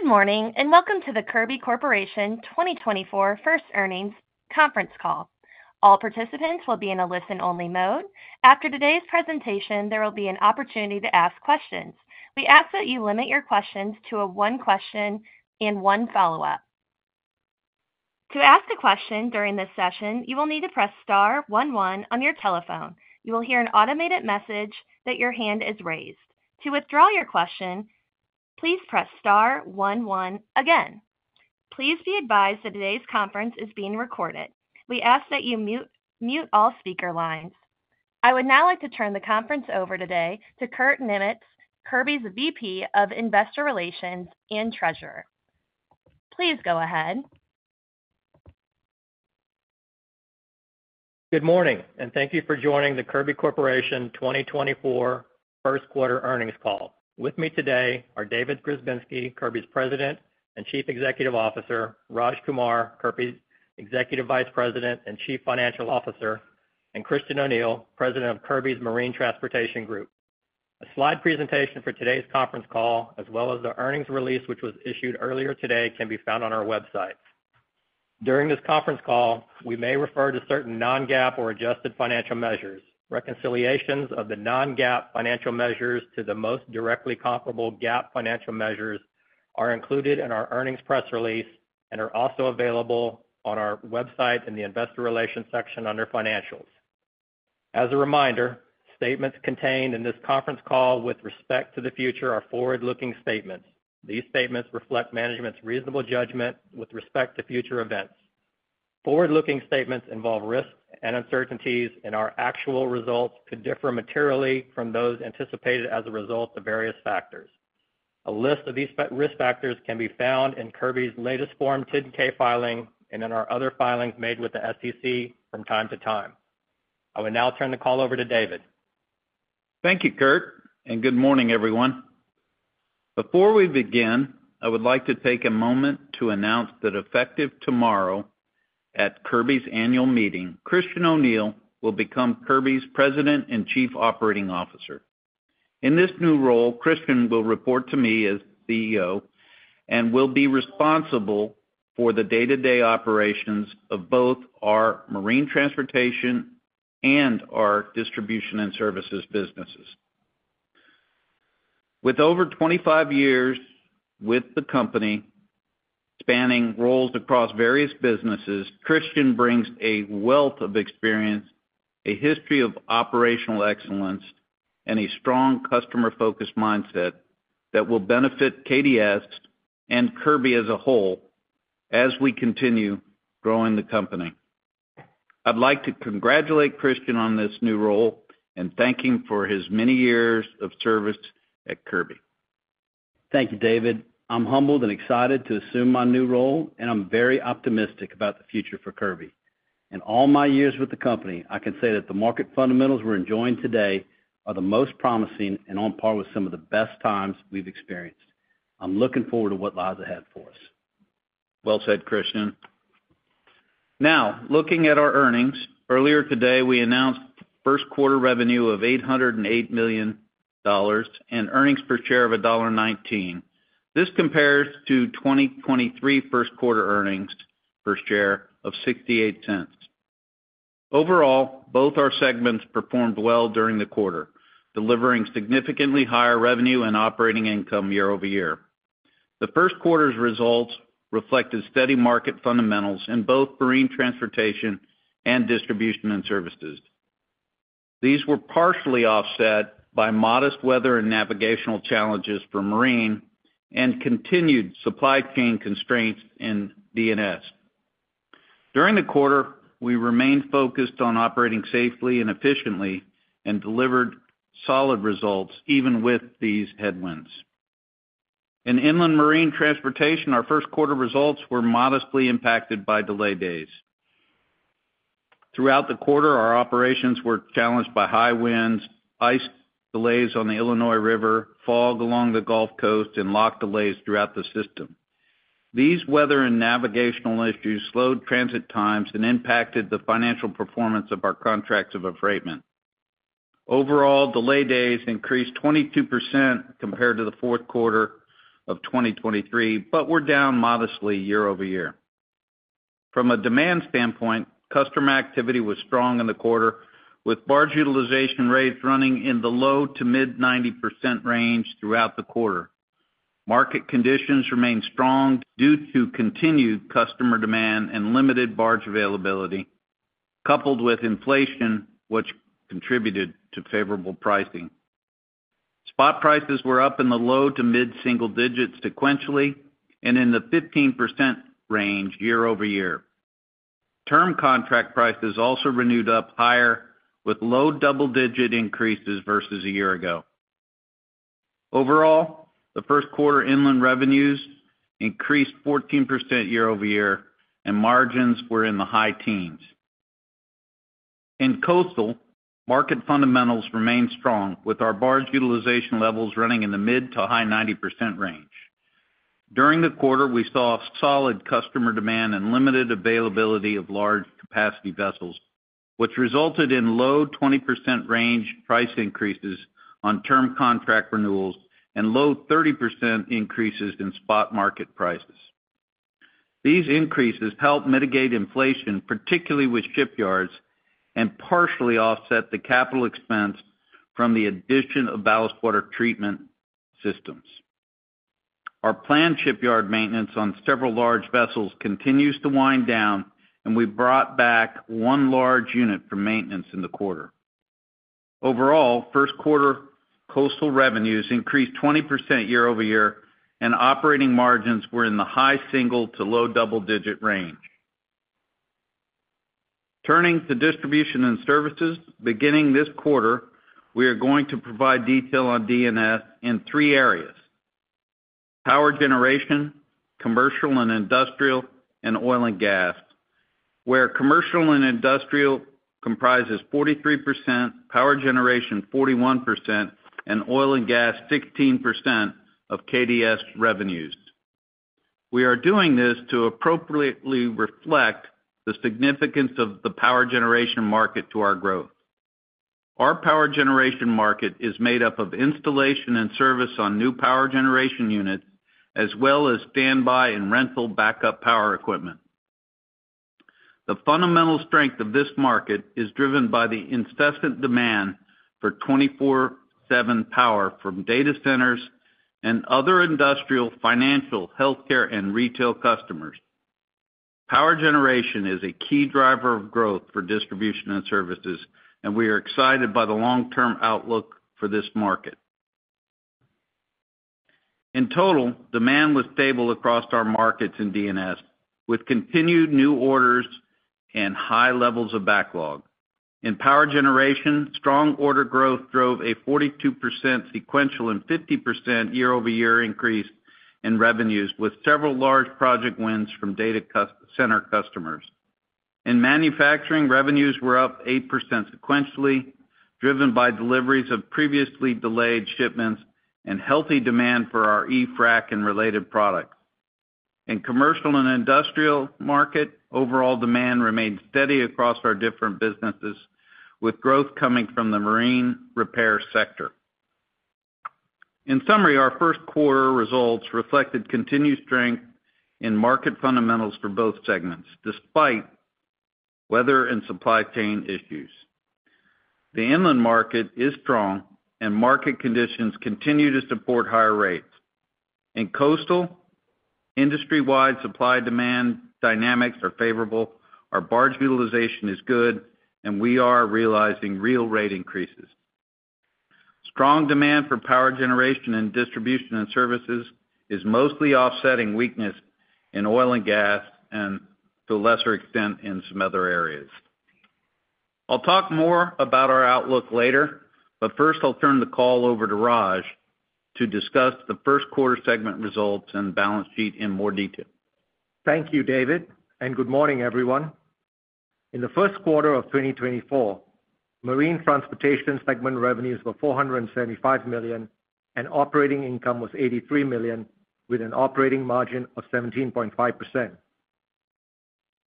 Good morning and welcome to the Kirby Corporation 2024 First Earnings conference call. All participants will be in a listen-only mode. After today's presentation, there will be an opportunity to ask questions. We ask that you limit your questions to a one question and one follow-up. To ask a question during this session, you will need to press star one one on your telephone. You will hear an automated message that your hand is raised. To withdraw your question, please press star one one again. Please be advised that today's conference is being recorded. We ask that you mute all speaker lines. I would now like to turn the conference over today to Kurt Niemietz, Kirby's VP of Investor Relations and Treasurer. Please go ahead. Good morning and thank you for joining the Kirby Corporation 2024 First Quarter Earnings call. With me today are David Grzebinski, Kirby's President and Chief Executive Officer; Raj Kumar, Kirby's Executive Vice President and Chief Financial Officer; and Christian O'Neil, President of Kirby's Marine Transportation Group. A slide presentation for today's conference call, as well as the earnings release which was issued earlier today, can be found on our website. During this conference call, we may refer to certain non-GAAP or adjusted financial measures. Reconciliations of the non-GAAP financial measures to the most directly comparable GAAP financial measures are included in our earnings press release and are also available on our website in the Investor Relations section under Financials. As a reminder, statements contained in this conference call with respect to the future are forward-looking statements. These statements reflect management's reasonable judgment with respect to future events. Forward-looking statements involve risks and uncertainties, and our actual results could differ materially from those anticipated as a result of various factors. A list of these risk factors can be found in Kirby's latest Form 10-K filing and in our other filings made with the SEC from time to time. I would now turn the call over to David. Thank you, Kurt, and good morning, everyone. Before we begin, I would like to take a moment to announce that effective tomorrow at Kirby's annual meeting, Christian O'Neil will become Kirby's President and Chief Operating Officer. In this new role, Christian will report to me as CEO and will be responsible for the day-to-day operations of both our marine transportation and our distribution and services businesses. With over 25 years with the company, spanning roles across various businesses, Christian brings a wealth of experience, a history of operational excellence, and a strong customer-focused mindset that will benefit KDS and Kirby as a whole as we continue growing the company. I'd like to congratulate Christian on this new role and thank him for his many years of service at Kirby. Thank you, David. I'm humbled and excited to assume my new role, and I'm very optimistic about the future for Kirby. In all my years with the company, I can say that the market fundamentals we're enjoying today are the most promising and on par with some of the best times we've experienced. I'm looking forward to what lies ahead for us. Well said, Christian. Now, looking at our earnings, earlier today we announced first quarter revenue of $808 million and earnings per share of $1.19. This compares to 2023 first quarter earnings per share of $0.68. Overall, both our segments performed well during the quarter, delivering significantly higher revenue and operating income year-over-year. The first quarter's results reflected steady market fundamentals in both marine transportation and distribution and services. These were partially offset by modest weather and navigational challenges for marine and continued supply chain constraints in D&S. During the quarter, we remained focused on operating safely and efficiently and delivered solid results even with these headwinds. In inland marine transportation, our first quarter results were modestly impacted by delay days. Throughout the quarter, our operations were challenged by high winds, ice delays on the Illinois River, fog along the Gulf Coast, and lock delays throughout the system. These weather and navigational issues slowed transit times and impacted the financial performance of our contracts of affreightment. Overall, Delay Days increased 22% compared to the fourth quarter of 2023 but were down modestly year-over-year. From a demand standpoint, customer activity was strong in the quarter, with barge utilization rates running in the low to mid-90% range throughout the quarter. Market conditions remained strong due to continued customer demand and limited barge availability, coupled with inflation, which contributed to favorable pricing. Spot prices were up in the low to mid-single digits sequentially and in the 15% range year-over-year. Term contract prices also renewed up higher with low double-digit increases versus a year ago. Overall, the first quarter inland revenues increased 14% year-over-year, and margins were in the high teens. In coastal, market fundamentals remained strong, with our barge utilization levels running in the mid- to high-90% range. During the quarter, we saw solid customer demand and limited availability of large capacity vessels, which resulted in low-20% range price increases on term contract renewals and low-30% increases in spot market prices. These increases helped mitigate inflation, particularly with shipyards, and partially offset the capital expense from the addition of ballast water treatment systems. Our planned shipyard maintenance on several large vessels continues to wind down, and we brought back one large unit for maintenance in the quarter. Overall, first quarter coastal revenues increased 20% year-over-year, and operating margins were in the high single- to low double-digit range. Turning to distribution and services, beginning this quarter, we are going to provide detail on KDS in three areas: power generation, commercial and industrial, and oil and gas, where commercial and industrial comprises 43%, power generation 41%, and oil and gas 16% of KDS revenues. We are doing this to appropriately reflect the significance of the power generation market to our growth. Our power generation market is made up of installation and service on new power generation units, as well as standby and rental backup power equipment. The fundamental strength of this market is driven by the incessant demand for 24/7 power from data centers and other industrial, financial, healthcare, and retail customers. Power generation is a key driver of growth for distribution and services, and we are excited by the long-term outlook for this market. In total, demand was stable across our markets in D&S, with continued new orders and high levels of backlog. In power generation, strong order growth drove a 42% sequential and 50% year-over-year increase in revenues, with several large project wins from data center customers. In manufacturing, revenues were up 8% sequentially, driven by deliveries of previously delayed shipments and healthy demand for our E-Frac and related products. In commercial and industrial market, overall demand remained steady across our different businesses, with growth coming from the marine repair sector. In summary, our first quarter results reflected continued strength in market fundamentals for both segments, despite weather and supply chain issues. The inland market is strong, and market conditions continue to support higher rates. In coastal, industry-wide supply-demand dynamics are favorable. Our barge utilization is good, and we are realizing real rate increases. Strong demand for power generation and distribution and services is mostly offsetting weakness in oil and gas and, to a lesser extent, in some other areas. I'll talk more about our outlook later, but first I'll turn the call over to Raj to discuss the first quarter segment results and balance sheet in more detail. Thank you, David, and good morning, everyone. In the first quarter of 2024, marine transportation segment revenues were $475 million, and operating income was $83 million, with an operating margin of 17.5%.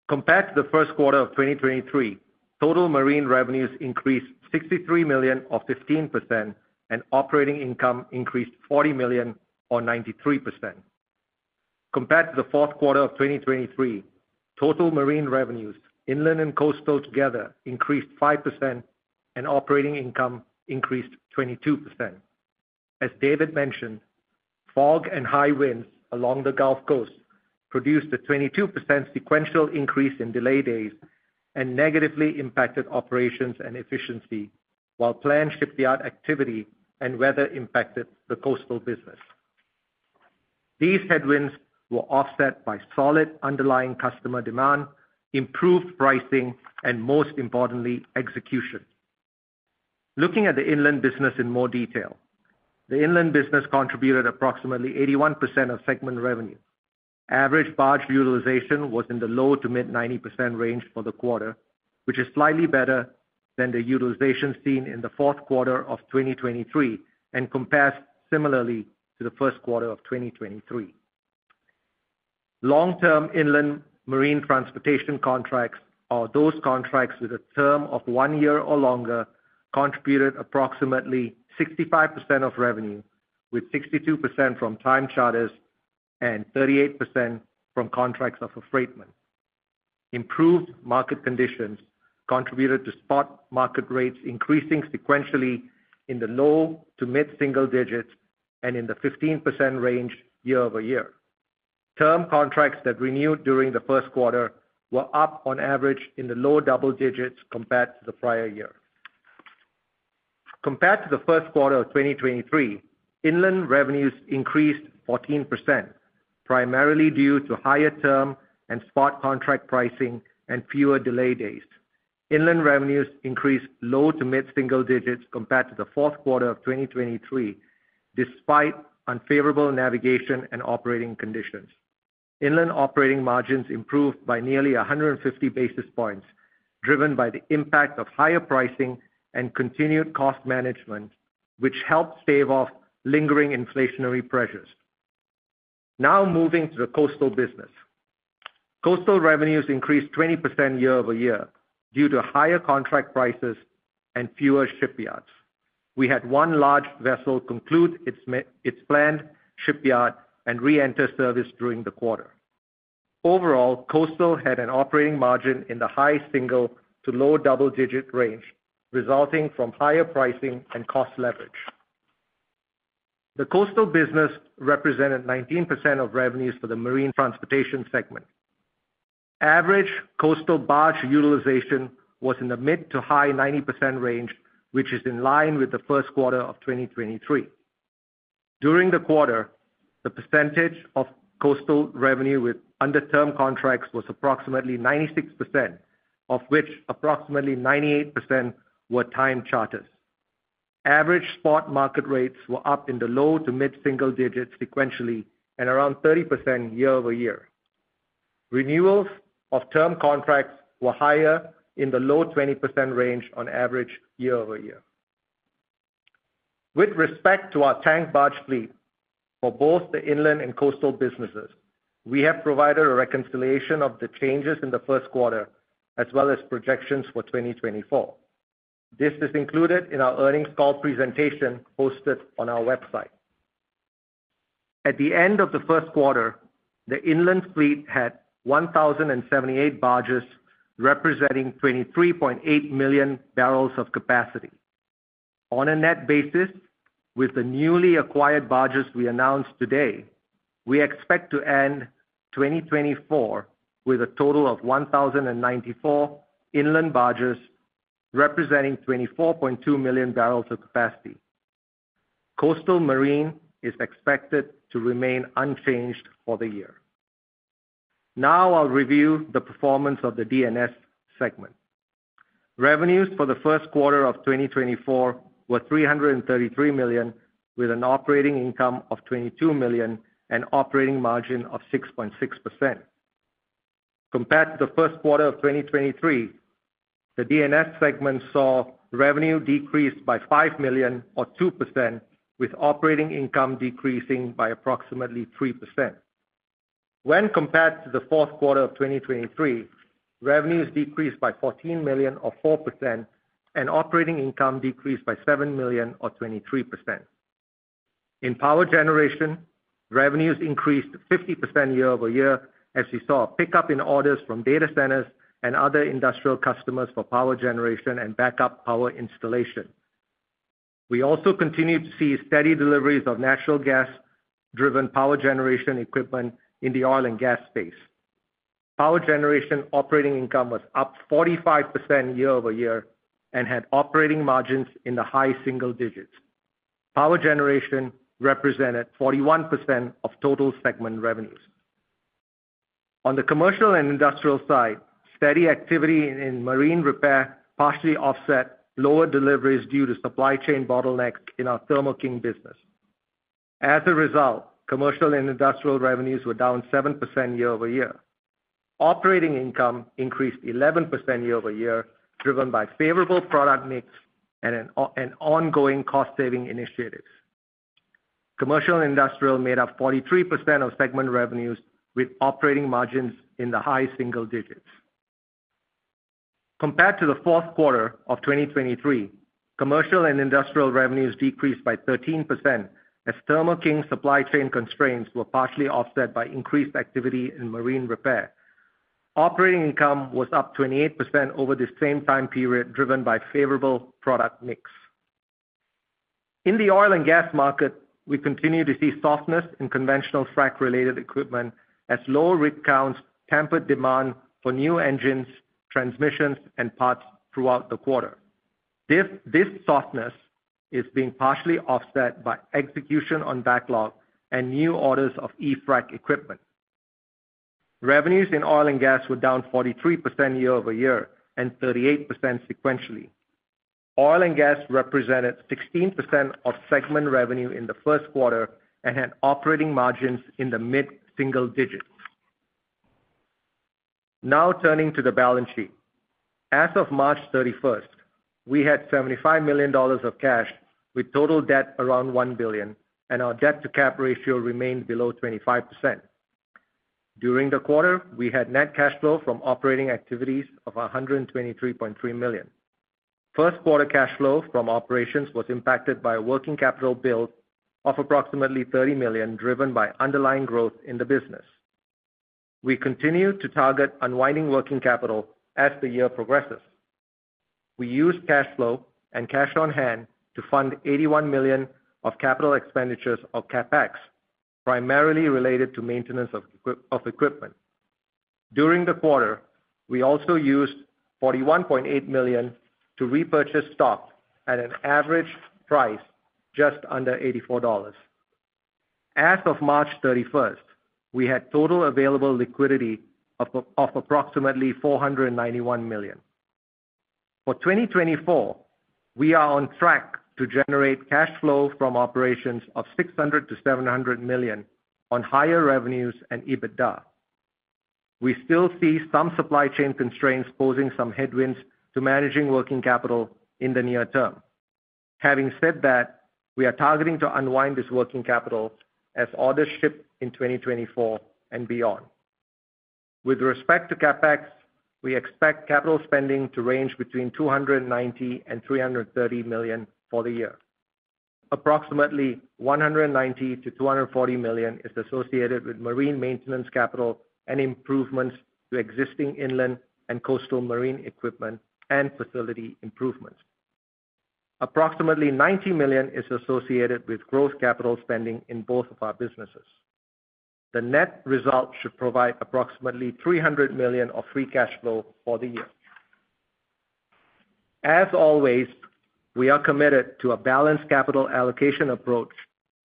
Compared to the first quarter of 2023, total marine revenues increased $63 million or 15%, and operating income increased $40 million or 93%. Compared to the fourth quarter of 2023, total marine revenues, inland and coastal together, increased 5%, and operating income increased 22%. As David mentioned, fog and high winds along the Gulf Coast produced a 22% sequential increase in delay days and negatively impacted operations and efficiency, while planned shipyard activity and weather impacted the coastal business. These headwinds were offset by solid underlying customer demand, improved pricing, and most importantly, execution. Looking at the inland business in more detail, the inland business contributed approximately 81% of segment revenue. Average barge utilization was in the low to mid-90% range for the quarter, which is slightly better than the utilization seen in the fourth quarter of 2023 and compares similarly to the first quarter of 2023. Long-term inland marine transportation contracts, or those contracts with a term of one year or longer, contributed approximately 65% of revenue, with 62% from time charters and 38% from contracts of affreightment. Improved market conditions contributed to spot market rates increasing sequentially in the low to mid-single digits and in the 15% range year-over-year. Term contracts that renewed during the first quarter were up on average in the low double digits compared to the prior year. Compared to the first quarter of 2023, inland revenues increased 14%, primarily due to higher term and spot contract pricing and fewer delay days. Inland revenues increased low- to mid-single digits compared to the fourth quarter of 2023, despite unfavorable navigation and operating conditions. Inland operating margins improved by nearly 150 basis points, driven by the impact of higher pricing and continued cost management, which helped stave off lingering inflationary pressures. Now moving to the coastal business. Coastal revenues increased 20% year-over-year due to higher contract prices and fewer shipyards. We had one large vessel conclude its planned shipyard and reenter service during the quarter. Overall, coastal had an operating margin in the high single- to low double-digit range, resulting from higher pricing and cost leverage. The coastal business represented 19% of revenues for the marine transportation segment. Average coastal barge utilization was in the mid- to high-90% range, which is in line with the first quarter of 2023. During the quarter, the percentage of coastal revenue with under-term contracts was approximately 96%, of which approximately 98% were time charters. Average spot market rates were up in the low to mid-single digits sequentially and around 30% year-over-year. Renewals of term contracts were higher in the low 20% range on average year-over-year. With respect to our tank barge fleet for both the inland and coastal businesses, we have provided a reconciliation of the changes in the first quarter as well as projections for 2024. This is included in our earnings call presentation hosted on our website. At the end of the first quarter, the inland fleet had 1,078 barges representing 23.8 million barrels of capacity. On a net basis, with the newly acquired barges we announced today, we expect to end 2024 with a total of 1,094 inland barges representing 24.2 million barrels of capacity. Coastal marine is expected to remain unchanged for the year. Now I'll review the performance of the D&S segment. Revenues for the first quarter of 2024 were $333 million, with an operating income of $22 million and operating margin of 6.6%. Compared to the first quarter of 2023, the D&S segment saw revenue decrease by $5 million or 2%, with operating income decreasing by approximately 3%. When compared to the fourth quarter of 2023, revenues decreased by $14 million or 4%, and operating income decreased by $7 million or 23%. In power generation, revenues increased 50% year-over-year as we saw a pickup in orders from data centers and other industrial customers for power generation and backup power installation. We also continue to see steady deliveries of natural gas-driven power generation equipment in the oil and gas space. Power generation operating income was up 45% year-over-year and had operating margins in the high single digits. Power generation represented 41% of total segment revenues. On the commercial and industrial side, steady activity in marine repair partially offset lower deliveries due to supply chain bottlenecks in our Thermo King business. As a result, commercial and industrial revenues were down 7% year-over-year. Operating income increased 11% year-over-year, driven by favorable product mix and ongoing cost-saving initiatives. Commercial and industrial made up 43% of segment revenues, with operating margins in the high single digits. Compared to the fourth quarter of 2023, commercial and industrial revenues decreased by 13% as Thermo King supply chain constraints were partially offset by increased activity in marine repair. Operating income was up 28% over the same time period, driven by favorable product mix. In the oil and gas market, we continue to see softness in conventional frack-related equipment as low rig counts tempered demand for new engines, transmissions, and parts throughout the quarter. This softness is being partially offset by execution on backlog and new orders of E-Frac equipment. Revenues in oil and gas were down 43% year-over-year and 38% sequentially. Oil and gas represented 16% of segment revenue in the first quarter and had operating margins in the mid-single digits. Now turning to the balance sheet. As of March 31st, we had $75 million of cash, with total debt around $1 billion, and our debt-to-cap ratio remained below 25%. During the quarter, we had net cash flow from operating activities of $123.3 million. First quarter cash flow from operations was impacted by a working capital build of approximately $30 million, driven by underlying growth in the business. We continue to target unwinding working capital as the year progresses. We used cash flow and cash on hand to fund $81 million of capital expenditures, or CapEx, primarily related to maintenance of equipment. During the quarter, we also used $41.8 million to repurchase stock at an average price just under $84. As of March 31st, we had total available liquidity of approximately $491 million. For 2024, we are on track to generate cash flow from operations of $600-$700 million on higher revenues and EBITDA. We still see some supply chain constraints posing some headwinds to managing working capital in the near term. Having said that, we are targeting to unwind this working capital as orders ship in 2024 and beyond. With respect to CapEx, we expect capital spending to range between $290 million and $330 million for the year. Approximately $190-$240 million is associated with marine maintenance capital and improvements to existing inland and coastal marine equipment and facility improvements. Approximately $90 million is associated with growth capital spending in both of our businesses. The net result should provide approximately $300 million of free cash flow for the year. As always, we are committed to a balanced capital allocation approach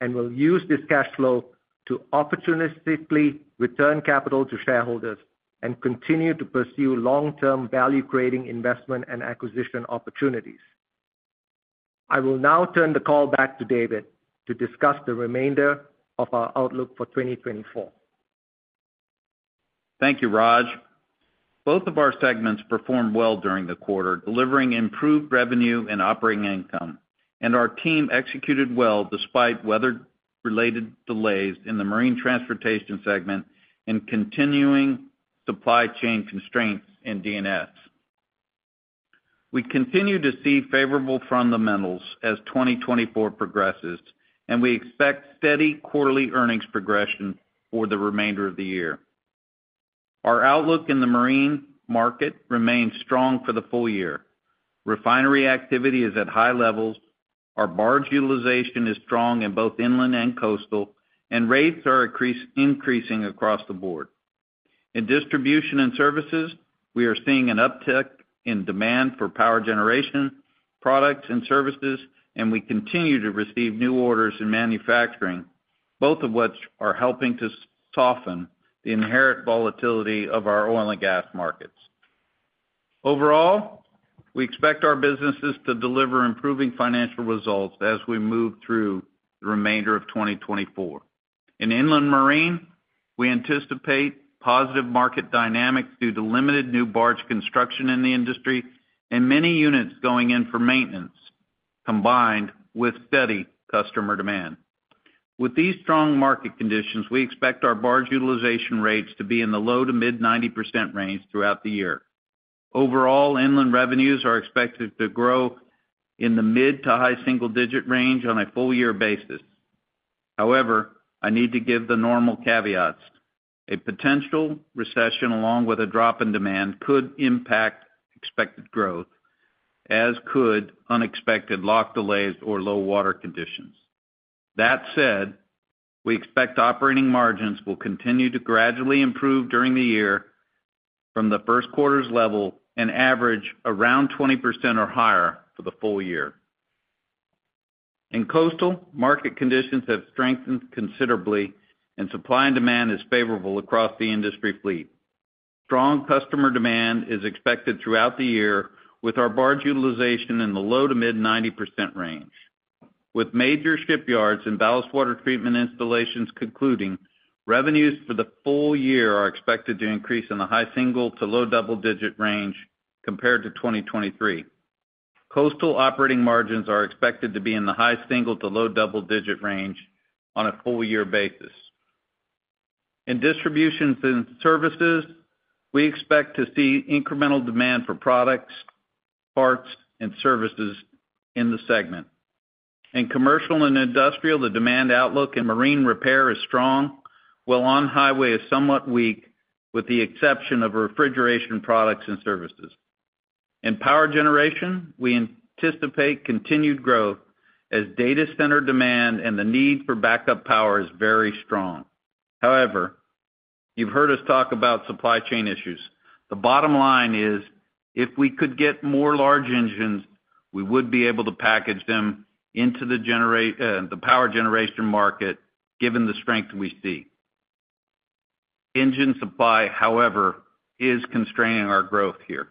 and will use this cash flow to opportunistically return capital to shareholders and continue to pursue long-term value-creating investment and acquisition opportunities. I will now turn the call back to David to discuss the remainder of our outlook for 2024. Thank you, Raj. Both of our segments performed well during the quarter, delivering improved revenue and operating income. And our team executed well despite weather-related delays in the marine transportation segment and continuing supply chain constraints in D&S. We continue to see favorable fundamentals as 2024 progresses, and we expect steady quarterly earnings progression for the remainder of the year. Our outlook in the marine market remains strong for the full-year. Refinery activity is at high levels. Our barge utilization is strong in both inland and coastal, and rates are increasing across the board. In distribution and services, we are seeing an uptick in demand for power generation products and services, and we continue to receive new orders in manufacturing, both of which are helping to soften the inherent volatility of our oil and gas markets. Overall, we expect our businesses to deliver improving financial results as we move through the remainder of 2024. In inland marine, we anticipate positive market dynamics due to limited new barge construction in the industry and many units going in for maintenance combined with steady customer demand. With these strong market conditions, we expect our barge utilization rates to be in the low to mid-90% range throughout the year. Overall, inland revenues are expected to grow in the mid to high single digit range on a full-year basis. However, I need to give the normal caveats. A potential recession along with a drop in demand could impact expected growth, as could unexpected lock delays or low water conditions. That said, we expect operating margins will continue to gradually improve during the year from the first quarter's level and average around 20% or higher for the full-year. In coastal, market conditions have strengthened considerably, and supply and demand is favorable across the industry fleet. Strong customer demand is expected throughout the year with our barge utilization in the low- to mid-90% range. With major shipyards and ballast water treatment installations concluding, revenues for the full-year are expected to increase in the high single- to low double-digit range compared to 2023. Coastal operating margins are expected to be in the high single- to low double-digit range on a full-year basis. In distribution and services, we expect to see incremental demand for products, parts, and services in the segment. In commercial and industrial, the demand outlook in marine repair is strong, while on-highway is somewhat weak, with the exception of refrigeration products and services. In power generation, we anticipate continued growth as data center demand and the need for backup power is very strong. However, you've heard us talk about supply chain issues. The bottom line is, if we could get more large engines, we would be able to package them into the power generation market given the strength we see. Engine supply, however, is constraining our growth here.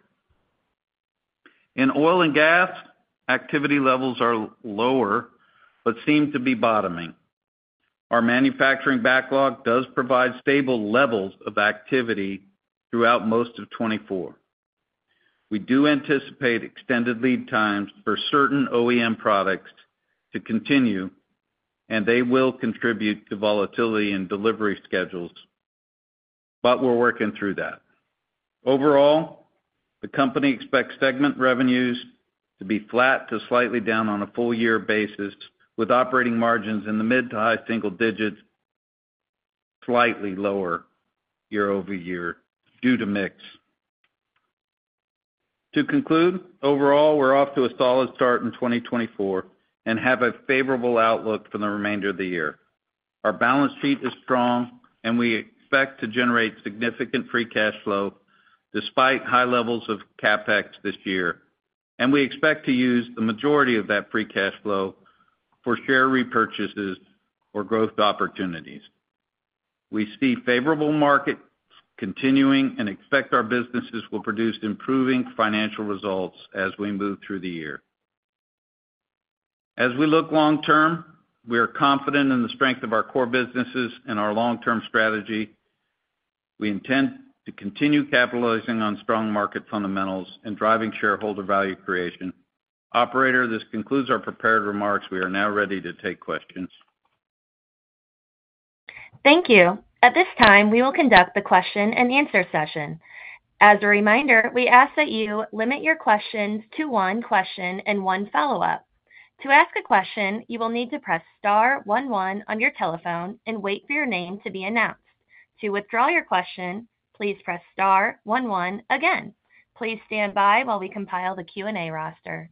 In oil and gas, activity levels are lower but seem to be bottoming. Our manufacturing backlog does provide stable levels of activity throughout most of 2024. We do anticipate extended lead times for certain OEM products to continue, and they will contribute to volatility in delivery schedules, but we're working through that. Overall, the company expects segment revenues to be flat to slightly down on a full-year basis, with operating margins in the mid to high single digits, slightly lower year-over-year due to mix. To conclude, overall, we're off to a solid start in 2024 and have a favorable outlook for the remainder of the year. Our balance sheet is strong, and we expect to generate significant free cash flow despite high levels of CAPEX this year. We expect to use the majority of that free cash flow for share repurchases or growth opportunities. We see favorable markets continuing and expect our businesses will produce improving financial results as we move through the year. As we look long term, we are confident in the strength of our core businesses and our long-term strategy. We intend to continue capitalizing on strong market fundamentals and driving shareholder value creation. Operator, this concludes our prepared remarks. We are now ready to take questions. Thank you. At this time, we will conduct the question and answer session. As a reminder, we ask that you limit your questions to one question and one follow-up. To ask a question, you will need to press star one one on your telephone and wait for your name to be announced. To withdraw your question, please press star one one again. Please stand by while we compile the Q&A roster.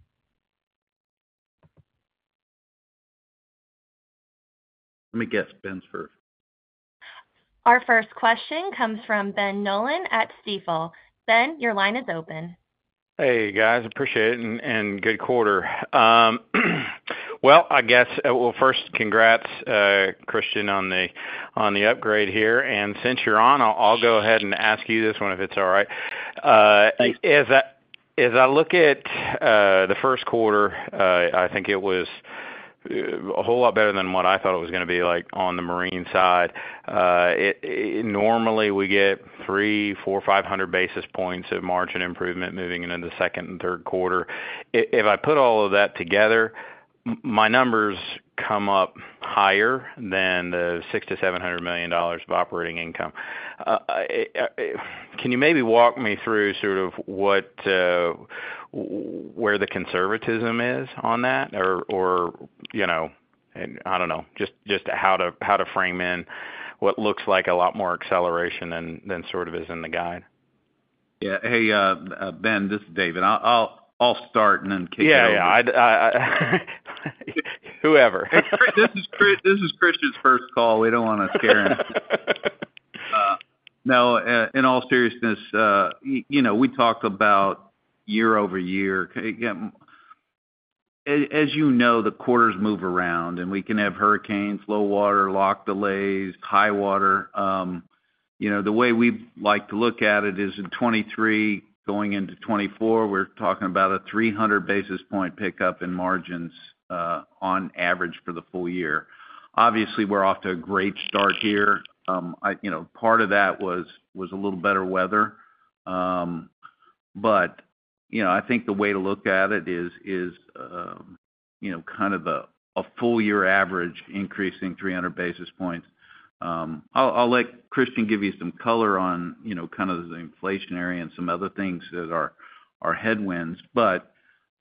Let me guess Ben's first. Our first question comes from Ben Nolan at Stifel. Ben, your line is open. Hey, guys. Appreciate it and good quarter. Well, I guess we'll first congrats, Christian, on the upgrade here. And since you're on, I'll go ahead and ask you this one if it's all right. As I look at the first quarter, I think it was a whole lot better than what I thought it was going to be on the marine side. Normally, we get 300, 400, 500 basis points of margin improvement moving into the second and third quarter. If I put all of that together, my numbers come up higher than the $600-$700 million of operating income. Can you maybe walk me through sort of where the conservatism is on that or I don't know, just how to frame in what looks like a lot more acceleration than sort of is in the guide? Yeah. Hey, Ben, this is David. I'll start and then kick it over. Yeah. Whoever. This is Christian's first call. We don't want to scare him. No, in all seriousness, we talked about year-over-year. As you know, the quarters move around, and we can have hurricanes, low water, lock delays, high water. The way we like to look at it is in 2023 going into 2024, we're talking about a 300 basis point pickup in margins on average for the full-year. Obviously, we're off to a great start here. Part of that was a little better weather. But I think the way to look at it is kind of a full-year average increase in 300 basis points. I'll let Christian give you some color on kind of the inflationary and some other things that are headwinds. But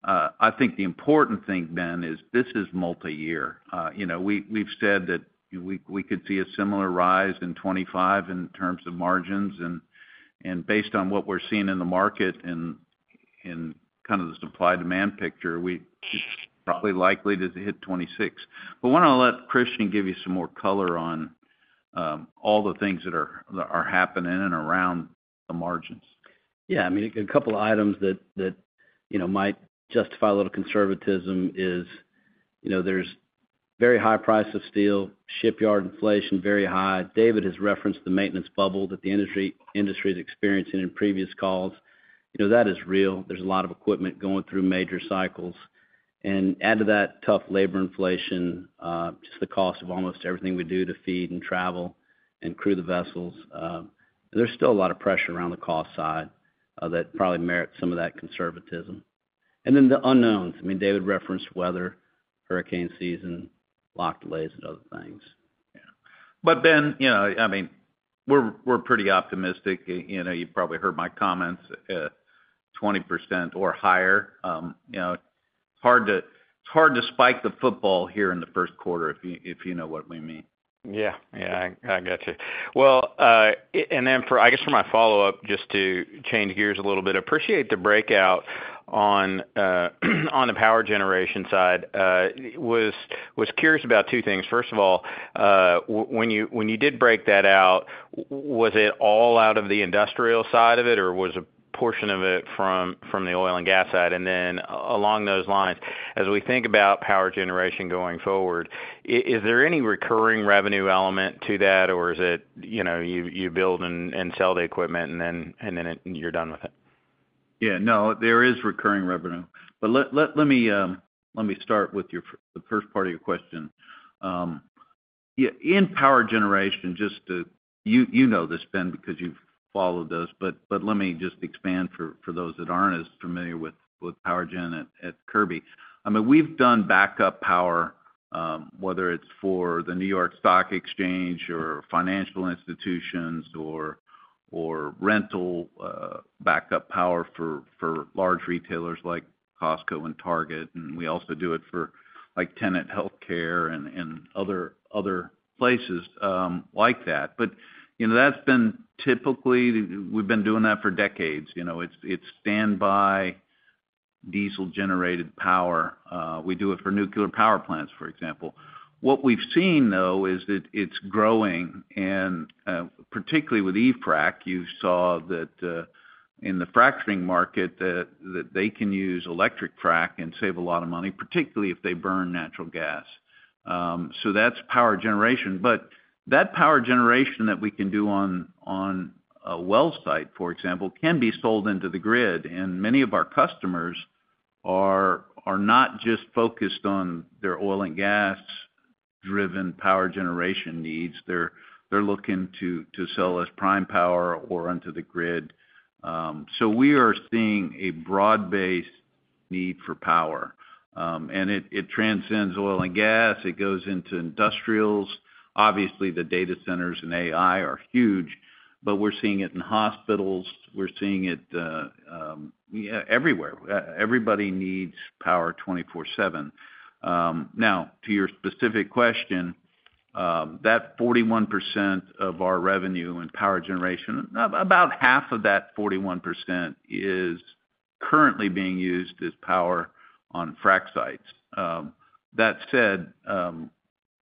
I think the important thing, Ben, is this is multi-year. We've said that we could see a similar rise in 2025 in terms of margins. And based on what we're seeing in the market and kind of the supply-demand picture, it's probably likely to hit 2026. But I want to let Christian give you some more color on all the things that are happening and around the margins. Yeah. I mean, a couple of items that might justify a little conservatism is there's very high price of steel, shipyard inflation, very high. David has referenced the maintenance bubble that the industry is experiencing in previous calls. That is real. There's a lot of equipment going through major cycles. And add to that tough labor inflation, just the cost of almost everything we do to feed and travel and crew the vessels. There's still a lot of pressure around the cost side that probably merits some of that conservatism. And then the unknowns. I mean, David referenced weather, hurricane season, lock delays, and other things. Yeah. But Ben, I mean, we're pretty optimistic. You've probably heard my comments, 20% or higher. It's hard to spike the football here in the first quarter if you know what we mean. Yeah. Yeah. I got you. Well, and then I guess for my follow-up, just to change gears a little bit, appreciate the breakout on the power generation side. I was curious about two things. First of all, when you did break that out, was it all out of the industrial side of it, or was a portion of it from the oil and gas side? And then along those lines, as we think about power generation going forward, is there any recurring revenue element to that, or is it you build and sell the equipment, and then you're done with it? Yeah. No, there is recurring revenue. But let me start with the first part of your question. In power generation, just so you know this, Ben, because you've followed us. But let me just expand for those that aren't as familiar with power generation at Kirby. I mean, we've done backup power, whether it's for the New York Stock Exchange or financial institutions or rental backup power for large retailers like Costco and Target. And we also do it for Tenet Healthcare and other places like that. But that's been typically we've been doing that for decades. It's standby diesel-generated power. We do it for nuclear power plants, for example. What we've seen, though, is that it's growing. And particularly with E-Frac, you saw that in the fracturing market, that they can use electric frac and save a lot of money, particularly if they burn natural gas. So that's power generation. But that power generation that we can do on a well site, for example, can be sold into the grid. And many of our customers are not just focused on their oil and gas-driven power generation needs. They're looking to sell us prime power or onto the grid. So we are seeing a broad-based need for power. And it transcends oil and gas. It goes into industrials. Obviously, the data centers and AI are huge. But we're seeing it in hospitals. We're seeing it everywhere. Everybody needs power 24/7. Now, to your specific question, that 41% of our revenue in power generation, about half of that 41% is currently being used as power on frac sites. That said,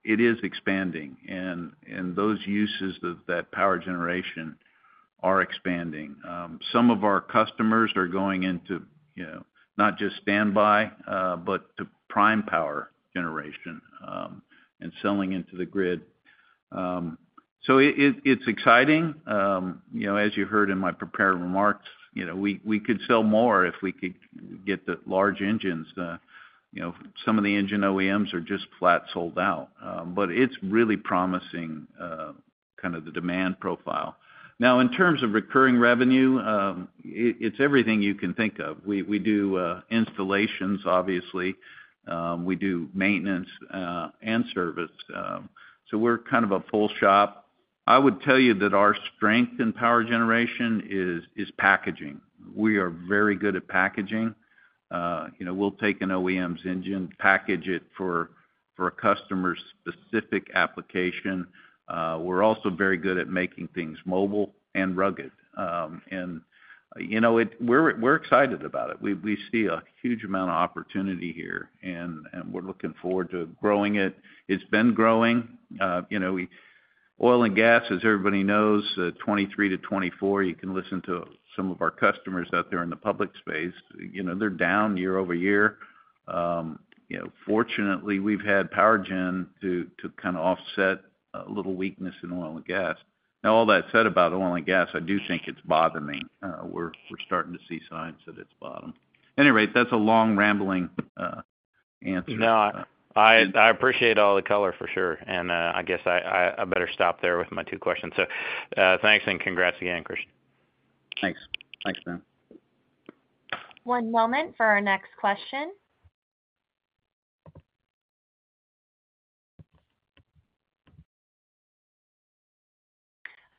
it is expanding. And those uses of that power generation are expanding. Some of our customers are going into not just standby but to prime power generation and selling into the grid. So it's exciting. As you heard in my prepared remarks, we could sell more if we could get the large engines. Some of the engine OEMs are just flat sold out. But it's really promising kind of the demand profile. Now, in terms of recurring revenue, it's everything you can think of. We do installations, obviously. We do maintenance and service. So we're kind of a full shop. I would tell you that our strength in power generation is packaging. We are very good at packaging. We'll take an OEM's engine, package it for a customer's specific application. We're also very good at making things mobile and rugged. And we're excited about it. We see a huge amount of opportunity here, and we're looking forward to growing it. It's been growing. Oil and gas, as everybody knows, 2023 to 2024, you can listen to some of our customers out there in the public space. They're down year-over-year. Fortunately, we've had PowerGen to kind of offset a little weakness in oil and gas. Now, all that said about oil and gas, I do think it's bothering. We're starting to see signs that it's bottomed. At any rate, that's a long, rambling answer. No, I appreciate all the color, for sure. I guess I better stop there with my two questions. Thanks and congrats again, Christian. Thanks. Thanks, Ben. One moment for our next question.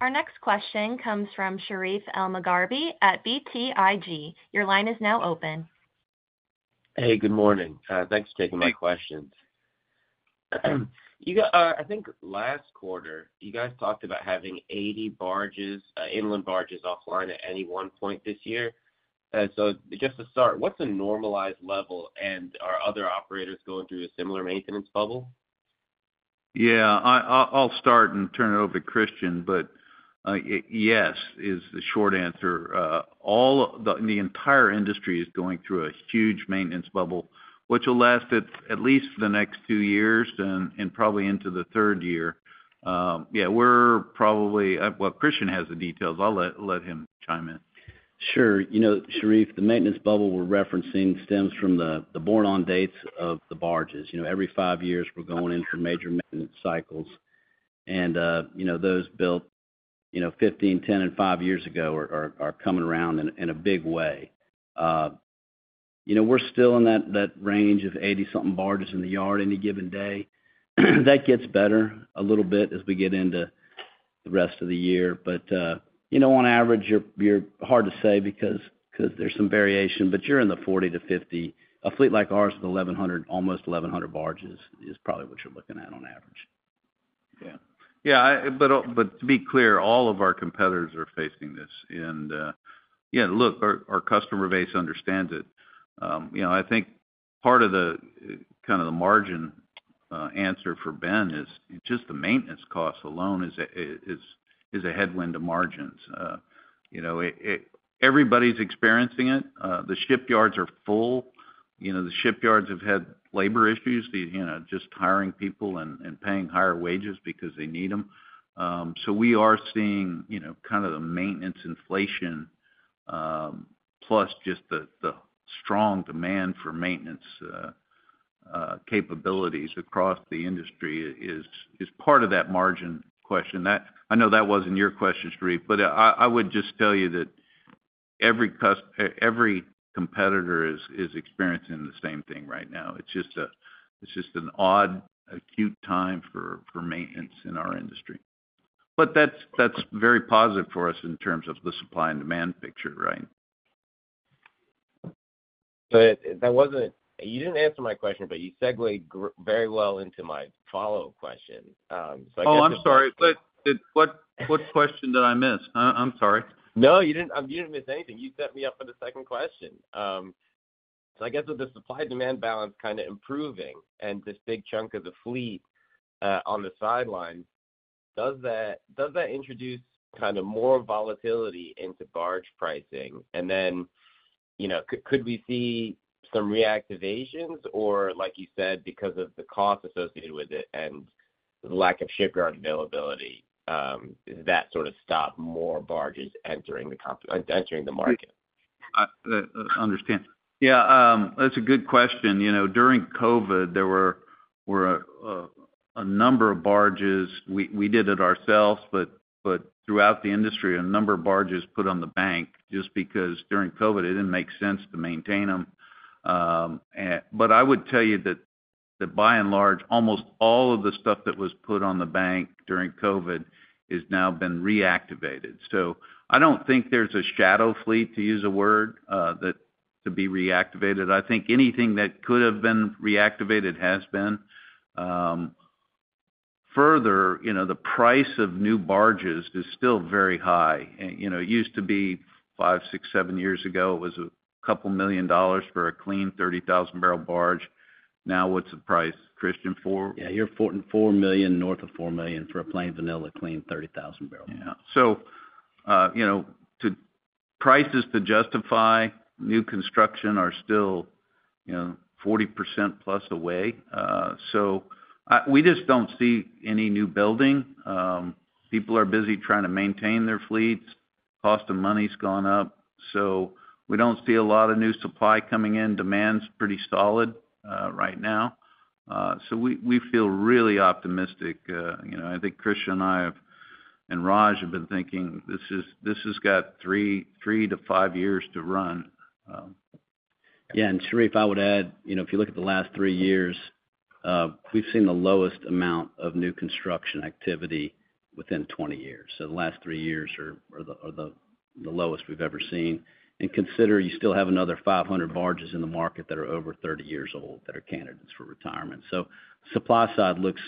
Our next question comes from Sherif Elmaghrabi at BTIG. Your line is now open. Hey, good morning. Thanks for taking my questions. I think last quarter, you guys talked about having 80 inland barges offline at any one point this year. So just to start, what's a normalized level, and are other operators going through a similar maintenance bubble? Yeah. I'll start and turn it over to Christian. But yes is the short answer. The entire industry is going through a huge maintenance bubble, which will last at least for the next two years and probably into the third year. Yeah, we're probably well, Christian has the details. I'll let him chime in. Sure. Sherif, the maintenance bubble we're referencing stems from the born-on dates of the barges. Every five years, we're going into major maintenance cycles. Those built 15, 10, and five years ago are coming around in a big way. We're still in that range of 80-something barges in the yard any given day. That gets better a little bit as we get into the rest of the year. But on average, it's hard to say because there's some variation, but you're in the 40-50. A fleet like ours with almost 1,100 barges is probably what you're looking at on average. Yeah. Yeah. But to be clear, all of our competitors are facing this. And yeah, look, our customer base understands it. I think part of the kind of the margin answer for Ben is just the maintenance cost alone is a headwind to margins. Everybody's experiencing it. The shipyards are full. The shipyards have had labor issues, just hiring people and paying higher wages because they need them. So we are seeing kind of the maintenance inflation plus just the strong demand for maintenance capabilities across the industry is part of that margin question. I know that wasn't your question, Sherif, but I would just tell you that every competitor is experiencing the same thing right now. It's just an odd, acute time for maintenance in our industry. But that's very positive for us in terms of the supply and demand picture, right? So you didn't answer my question, but you segued very well into my follow-up question. So I guess. Oh, I'm sorry. What question did I miss? I'm sorry. No, you didn't miss anything. You set me up for the second question. So I guess with the supply-demand balance kind of improving and this big chunk of the fleet on the sideline, does that introduce kind of more volatility into barge pricing? And then could we see some reactivations? Or like you said, because of the cost associated with it and the lack of shipyard availability, does that sort of stop more barges entering the market? I understand. Yeah, that's a good question. During COVID, there were a number of barges. We did it ourselves, but throughout the industry, a number of barges put on the bank just because during COVID, it didn't make sense to maintain them. But I would tell you that by and large, almost all of the stuff that was put on the bank during COVID has now been reactivated. So I don't think there's a shadow fleet, to use a word, to be reactivated. I think anything that could have been reactivated has been. Further, the price of new barges is still very high. It used to be five, six, seven years ago, it was $2 million for a clean 30,000-barrel barge. Now, what's the price, Christian, for? Yeah, you're $4 million north of $4 million for a plain vanilla clean 30,000-barrel barge. Yeah. So prices to justify new construction are still 40% plus away. So we just don't see any new building. People are busy trying to maintain their fleets. Cost of money's gone up. So we don't see a lot of new supply coming in. Demand's pretty solid right now. So we feel really optimistic. I think Christian and Raj have been thinking this has got three to five years to run. Yeah. And Sherif, I would add, if you look at the last three years, we've seen the lowest amount of new construction activity within 20 years. So the last three years are the lowest we've ever seen. And consider, you still have another 500 barges in the market that are over 30 years old that are candidates for retirement. So supply side looks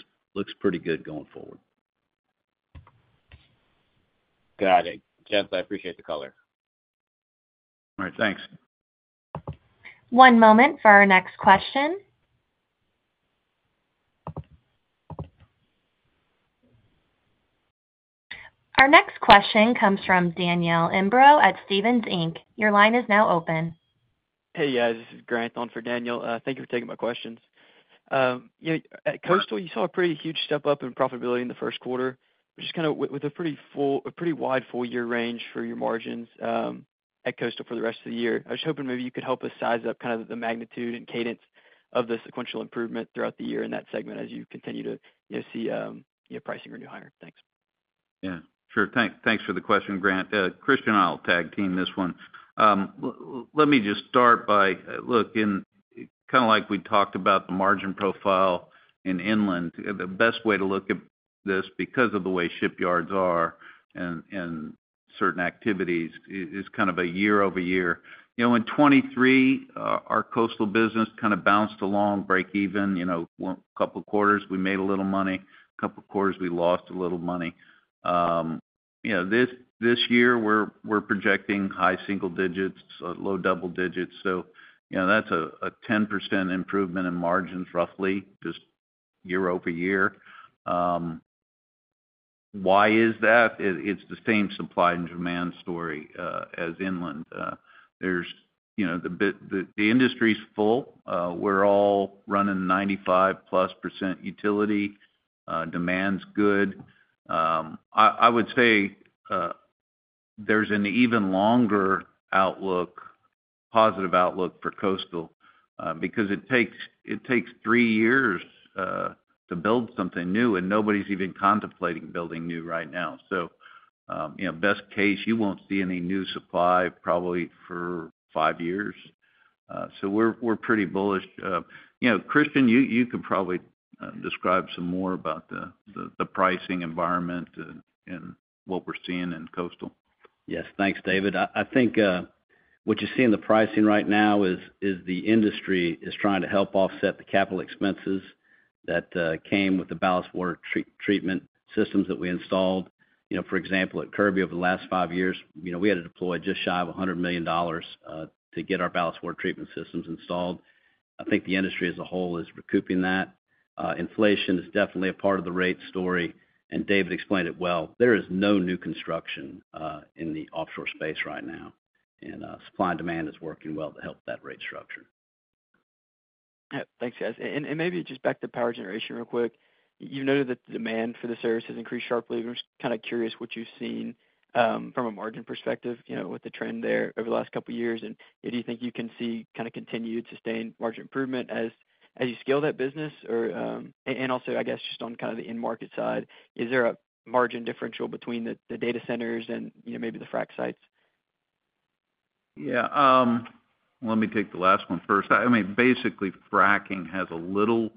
pretty good going forward. Got it. Gents, I appreciate the color. All right. Thanks. One moment for our next question. Our next question comes from Daniel Imbro at Stephens Inc. Your line is now open. Hey, guys. This is Grant Thorn for Daniel. Thank you for taking my questions. At Coastal, you saw a pretty huge step up in profitability in the first quarter, just kind of with a pretty wide full-year range for your margins at Coastal for the rest of the year. I was just hoping maybe you could help us size up kind of the magnitude and cadence of the sequential improvement throughout the year in that segment as you continue to see pricing renew higher. Thanks. Yeah. Sure. Thanks for the question, Grant. Christian, I'll tag team this one. Let me just start by look, kind of like we talked about the margin profile in inland, the best way to look at this because of the way shipyards are and certain activities is kind of a year-over-year. In 2023, our coastal business kind of bounced along, break even. A couple of quarters, we made a little money. A couple of quarters, we lost a little money. This year, we're projecting high single digits, low double digits. So that's a 10% improvement in margins, roughly, just year-over-year. Why is that? It's the same supply and demand story as inland. The industry's full. We're all running +95% utility. Demand's good. I would say there's an even longer positive outlook for Coastal because it takes three years to build something new, and nobody's even contemplating building new right now. So best case, you won't see any new supply probably for five years. So we're pretty bullish. Christian, you could probably describe some more about the pricing environment and what we're seeing in Coastal. Yes. Thanks, David. I think what you're seeing in the pricing right now is the industry is trying to help offset the capital expenses that came with the ballast water treatment systems that we installed. For example, at Kirby, over the last five years, we had to deploy just shy of $100 million to get our ballast water treatment systems installed. I think the industry as a whole is recouping that. Inflation is definitely a part of the rate story, and David explained it well. There is no new construction in the offshore space right now, and supply and demand is working well to help that rate structure. Thanks, guys. And maybe just back to power generation real quick. You've noted that the demand for the service has increased sharply, and I'm just kind of curious what you've seen from a margin perspective with the trend there over the last couple of years. And do you think you can see kind of continued, sustained margin improvement as you scale that business? And also, I guess, just on kind of the in-market side, is there a margin differential between the data centers and maybe the frac sites? Yeah. Let me take the last one first. I mean, basically, fracking has a little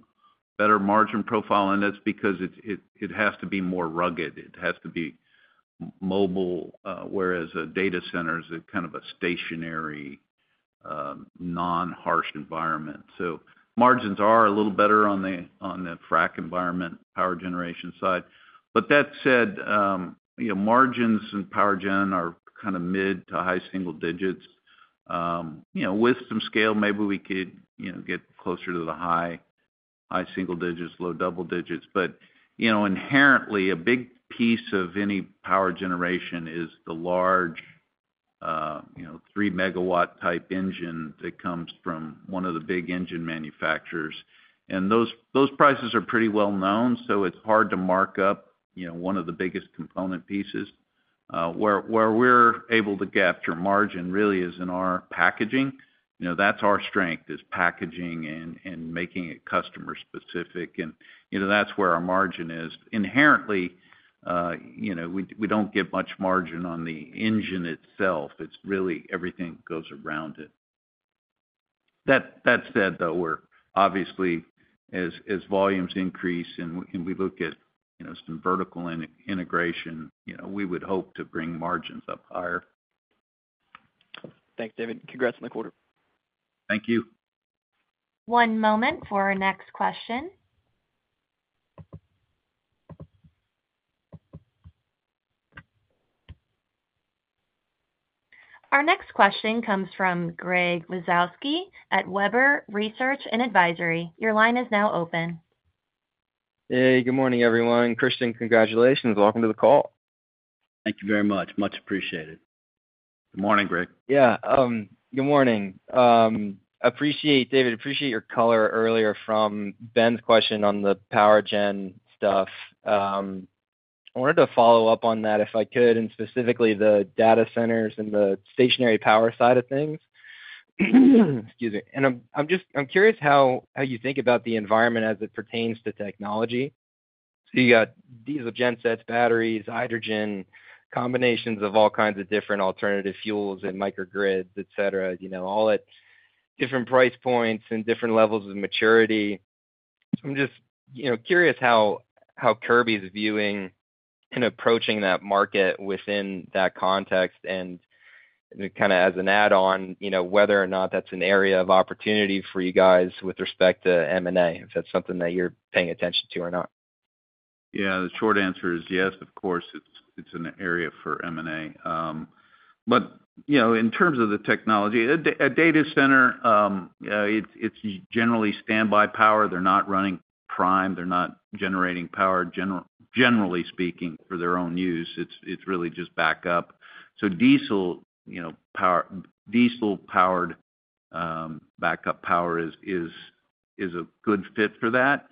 better margin profile, and that's because it has to be more rugged. It has to be mobile, whereas data centers are kind of a stationary, non-harsh environment. So margins are a little better on the frac environment, power generation side. But that said, margins in PowerGen are kind of mid- to high-single digits. With some scale, maybe we could get closer to the high-single digits, low-double digits. But inherently, a big piece of any power generation is the large 3MW type engine that comes from one of the big engine manufacturers. And those prices are pretty well known, so it's hard to mark up one of the biggest component pieces. Where we're able to capture margin really is in our packaging. That's our strength, is packaging and making it customer-specific. That's where our margin is. Inherently, we don't get much margin on the engine itself. It's really everything goes around it. That said, though, obviously, as volumes increase and we look at some vertical integration, we would hope to bring margins up higher. Thanks, David. Congrats on the quarter. Thank you. One moment for our next question. Our next question comes from Greg Wasikowski at Webber Research & Advisory. Your line is now open. Hey, good morning, everyone. Christian, congratulations. Welcome to the call. Thank you very much. Much appreciated. Good morning, Greg. Yeah. Good morning. David, appreciate your color earlier from Ben's question on the PowerGen stuff. I wanted to follow up on that if I could, and specifically the data centers and the stationary power side of things. Excuse me. And I'm curious how you think about the environment as it pertains to technology. So you got diesel gensets, batteries, hydrogen, combinations of all kinds of different alternative fuels and microgrids, etc., all at different price points and different levels of maturity. So I'm just curious how Kirby is viewing and approaching that market within that context. And kind of as an add-on, whether or not that's an area of opportunity for you guys with respect to M&A, if that's something that you're paying attention to or not. Yeah. The short answer is yes, of course, it's an area for M&A. But in terms of the technology, a data center, it's generally standby power. They're not running prime. They're not generating power, generally speaking, for their own use. It's really just backup. So diesel-powered backup power is a good fit for that.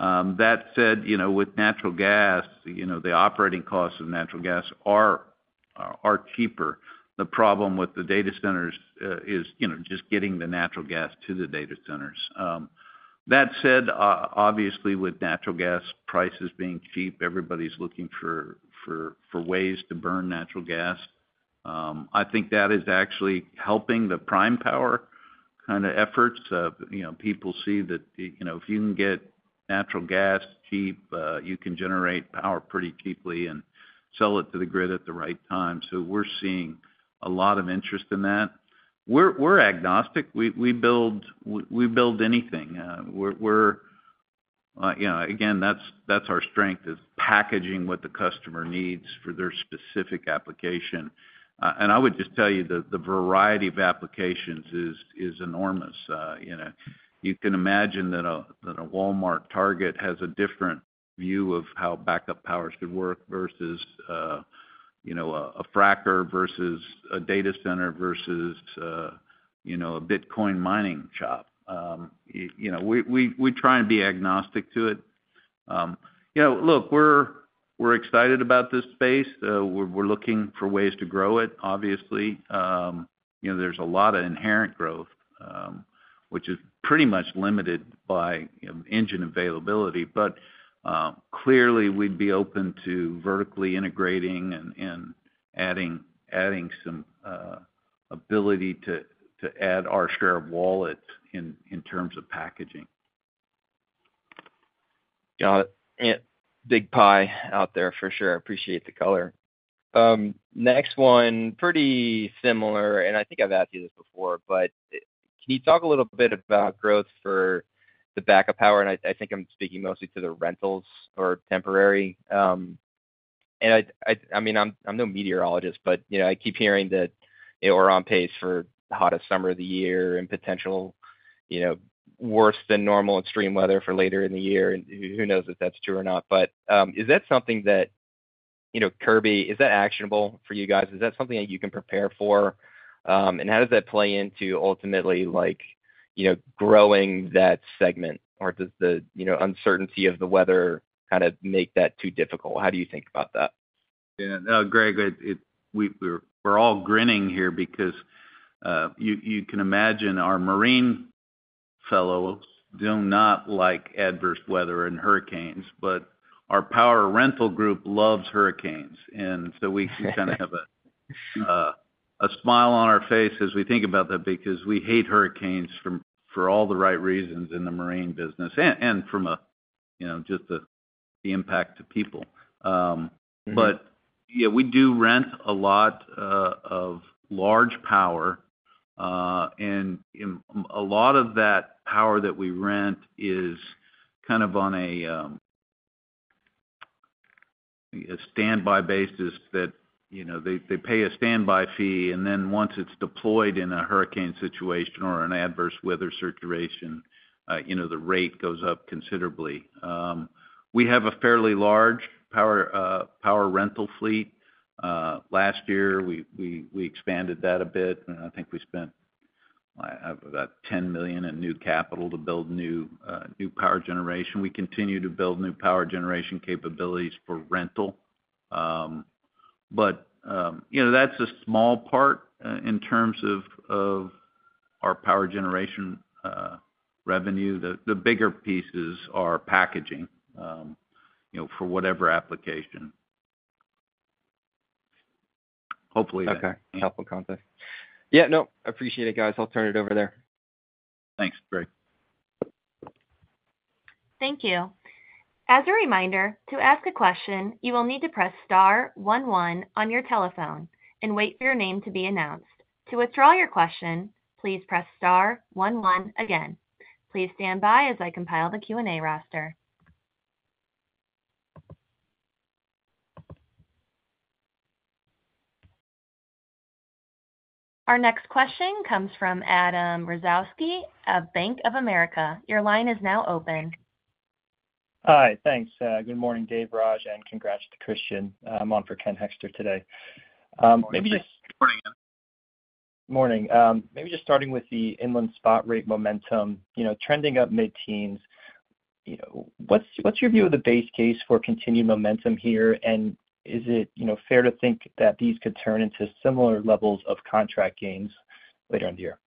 That said, with natural gas, the operating costs of natural gas are cheaper. The problem with the data centers is just getting the natural gas to the data centers. That said, obviously, with natural gas prices being cheap, everybody's looking for ways to burn natural gas. I think that is actually helping the prime power kind of efforts. People see that if you can get natural gas cheap, you can generate power pretty cheaply and sell it to the grid at the right time. So we're seeing a lot of interest in that. We're agnostic. We build anything. Again, that's our strength, is packaging what the customer needs for their specific application. I would just tell you the variety of applications is enormous. You can imagine that a Walmart, Target has a different view of how backup powers could work versus a fracker versus a data center versus a Bitcoin mining shop. We try and be agnostic to it. Look, we're excited about this space. We're looking for ways to grow it, obviously. There's a lot of inherent growth, which is pretty much limited by engine availability. Clearly, we'd be open to vertically integrating and adding some ability to add our share of wallets in terms of packaging. Got it. Big pie out there, for sure. I appreciate the color. Next one, pretty similar. I think I've asked you this before, but can you talk a little bit about growth for the backup power? I think I'm speaking mostly to the rentals or temporary. I mean, I'm no meteorologist, but I keep hearing that we're on pace for the hottest summer of the year and potential worse-than-normal extreme weather for later in the year. Who knows if that's true or not? But is that something that Kirby, is that actionable for you guys? Is that something that you can prepare for? How does that play into, ultimately, growing that segment? Or does the uncertainty of the weather kind of make that too difficult? How do you think about that? Yeah. No, Greg, we're all grinning here because you can imagine our marine fellows do not like adverse weather and hurricanes. But our power rental group loves hurricanes. And so we kind of have a smile on our face as we think about that because we hate hurricanes for all the right reasons in the marine business and from just the impact to people. But yeah, we do rent a lot of large power. And a lot of that power that we rent is kind of on a standby basis that they pay a standby fee. And then once it's deployed in a hurricane situation or an adverse weather situation, the rate goes up considerably. We have a fairly large power rental fleet. Last year, we expanded that a bit. And I think we spent about $10 million in new capital to build new power generation. We continue to build new power generation capabilities for rental. But that's a small part in terms of our power generation revenue. The bigger pieces are packaging for whatever application. Hopefully, that. Okay. Helpful context. Yeah. No, appreciate it, guys. I'll turn it over there. Thanks, Greg. Thank you. As a reminder, to ask a question, you will need to press star one one on your telephone and wait for your name to be announced. To withdraw your question, please press star one one again. Please stand by as I compile the Q&A roster. Our next question comes from Adam Roszkowski of Bank of America. Your line is now open. Hi. Thanks. Good morning, Dave, Raj, and congrats to Christian. I'm on for Ken Hoexter today. Morning. Morning. Morning. Maybe just starting with the inland spot rate momentum trending up mid-teens. What's your view of the base case for continued momentum here? And is it fair to think that these could turn into similar levels of contract gains later in the year?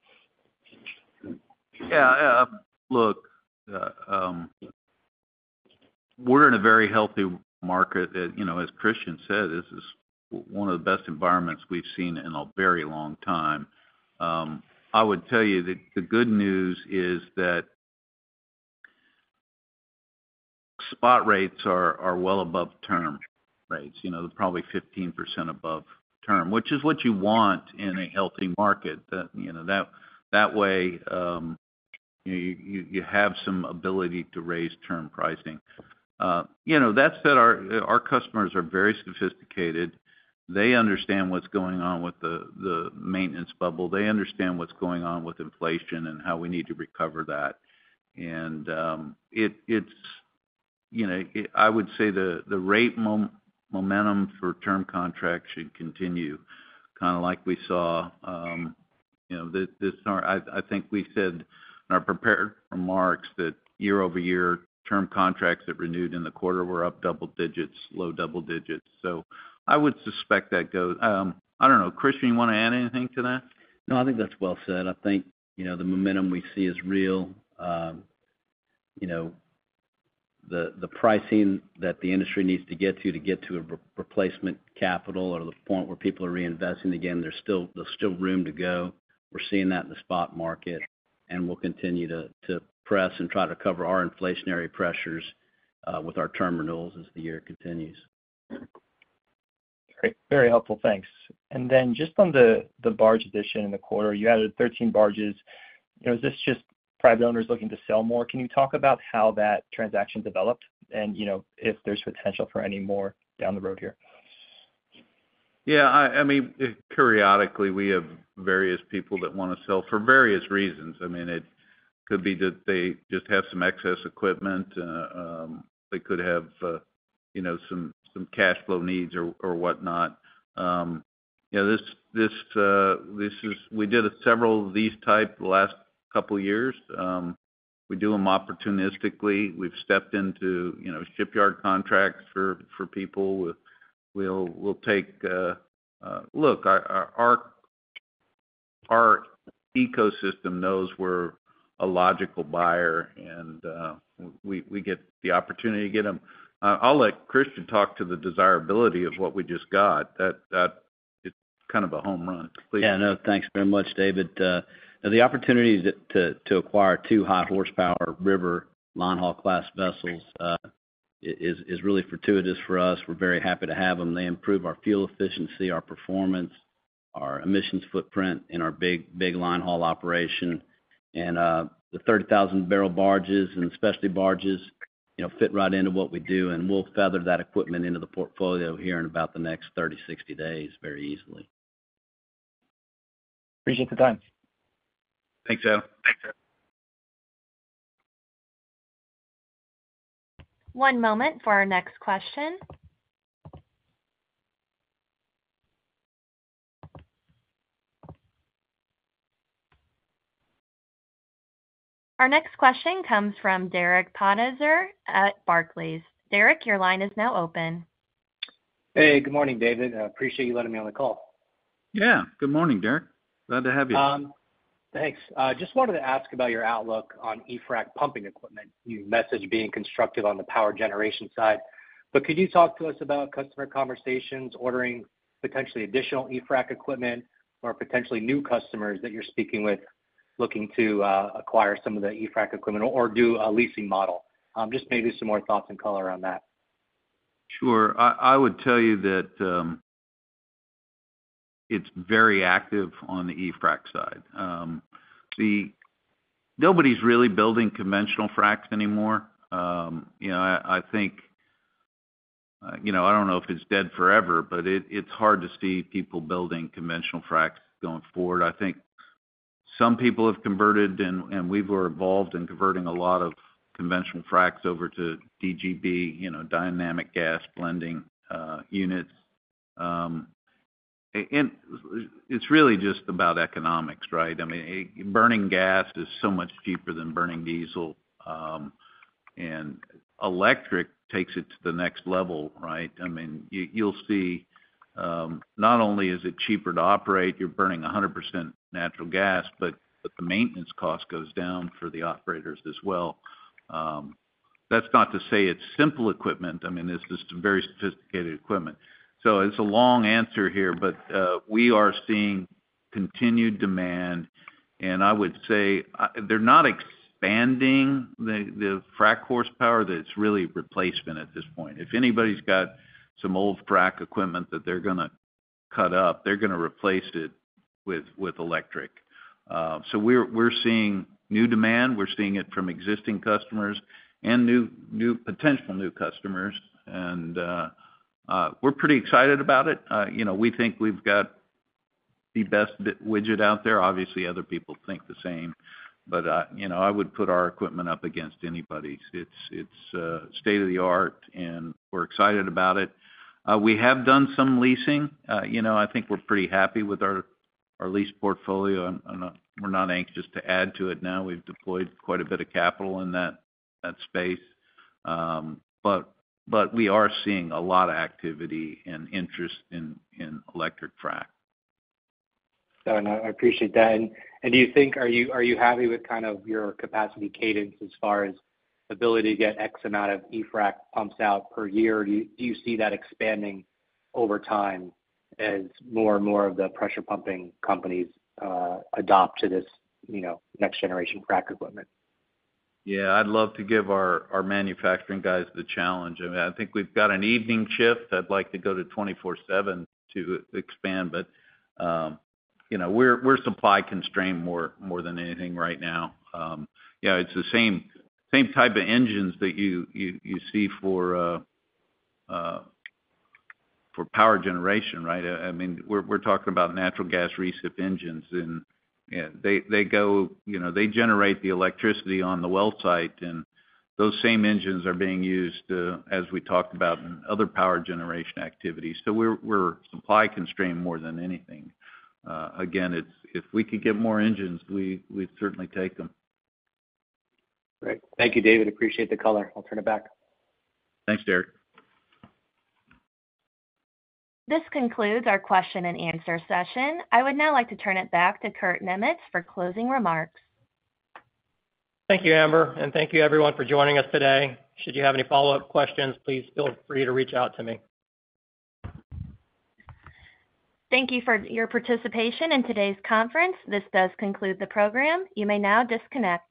Yeah. Look, we're in a very healthy market. As Christian said, this is one of the best environments we've seen in a very long time. I would tell you that the good news is that spot rates are well above term rates, probably 15% above term, which is what you want in a healthy market. That way, you have some ability to raise term pricing. That said, our customers are very sophisticated. They understand what's going on with the maintenance bubble. They understand what's going on with inflation and how we need to recover that. And I would say the rate momentum for term contracts should continue kind of like we saw. I think we said in our prepared remarks that year-over-year, term contracts that renewed in the quarter were up double digits, low double digits. So I would suspect that goes. I don't know. Christian, you want to add anything to that? No, I think that's well said. I think the momentum we see is real. The pricing that the industry needs to get to to get to a replacement capital or the point where people are reinvesting again, there's still room to go. We're seeing that in the spot market. We'll continue to press and try to cover our inflationary pressures with our term renewals as the year continues. Great. Very helpful. Thanks. And then just on the barge addition in the quarter, you added 13 barges. Is this just private owners looking to sell more? Can you talk about how that transaction developed and if there's potential for any more down the road here? Yeah. I mean, periodically, we have various people that want to sell for various reasons. I mean, it could be that they just have some excess equipment. They could have some cash flow needs or whatnot. Yeah, we did several of these type the last couple of years. We do them opportunistically. We've stepped into shipyard contracts for people. We'll take look, our ecosystem knows we're a logical buyer, and we get the opportunity to get them. I'll let Christian talk to the desirability of what we just got. It's kind of a home run. Please. Yeah. No, thanks very much, David. The opportunity to acquire 2 high-horsepower river linehaul-class vessels is really fortuitous for us. We're very happy to have them. They improve our fuel efficiency, our performance, our emissions footprint in our big linehaul operation. The 30,000-barrel barges and specialty barges fit right into what we do. We'll feather that equipment into the portfolio here in about the next 30-60 days very easily. Appreciate the time. Thanks, Adam. One moment for our next question. Our next question comes from Derek Podhaizer at Barclays. Derek, your line is now open. Hey. Good morning, David. I appreciate you letting me on the call. Yeah. Good morning, Derek. Glad to have you. Thanks. Just wanted to ask about your outlook on E-Frac pumping equipment. You messaged being constructive on the power generation side. But could you talk to us about customer conversations, ordering potentially additional E-Frac equipment, or potentially new customers that you're speaking with looking to acquire some of the E-Frac equipment or do a leasing model? Just maybe some more thoughts and color on that. Sure. I would tell you that it's very active on the E-Frac side. Nobody's really building conventional fracs anymore. I think I don't know if it's dead forever, but it's hard to see people building conventional fracs going forward. I think some people have converted, and we were involved in converting a lot of conventional fracs over to DGB, Dynamic Gas Blending units. And it's really just about economics, right? I mean, burning gas is so much cheaper than burning diesel. And electric takes it to the next level, right? I mean, you'll see not only is it cheaper to operate, you're burning 100% natural gas, but the maintenance cost goes down for the operators as well. That's not to say it's simple equipment. I mean, it's just very sophisticated equipment. So it's a long answer here, but we are seeing continued demand. And I would say they're not expanding the frac horsepower. It's really replacement at this point. If anybody's got some old frac equipment that they're going to cut up, they're going to replace it with electric. So we're seeing new demand. We're seeing it from existing customers and potential new customers. And we're pretty excited about it. We think we've got the best widget out there. Obviously, other people think the same. But I would put our equipment up against anybody's. It's state of the art, and we're excited about it. We have done some leasing. I think we're pretty happy with our lease portfolio. We're not anxious to add to it now. We've deployed quite a bit of capital in that space. But we are seeing a lot of activity and interest in electric frac. Got it. I appreciate that. And do you think? Are you happy with kind of your capacity cadence as far as ability to get X amount of E-Frac pumps out per year? Do you see that expanding over time as more and more of the pressure pumping companies adopt to this next-generation frac equipment? Yeah. I'd love to give our manufacturing guys the challenge. I mean, I think we've got an evening shift. I'd like to go to 24/7 to expand. But we're supply constrained more than anything right now. It's the same type of engines that you see for power generation, right? I mean, we're talking about natural gas recip engines. And they generate the electricity on the well site. And those same engines are being used, as we talked about, in other power generation activities. So we're supply constrained more than anything. Again, if we could get more engines, we'd certainly take them. Great. Thank you, David. Appreciate the color. I'll turn it back. Thanks, Derek. This concludes our question and answer session. I would now like to turn it back to Kurt Niemietz for closing remarks. Thank you, Amber. Thank you, everyone, for joining us today. Should you have any follow-up questions, please feel free to reach out to me. Thank you for your participation in today's conference. This does conclude the program. You may now disconnect.